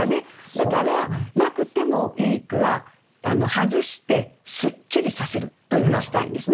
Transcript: だからなくてもいい句は外してすっきりさせるというふうにしたいんですね。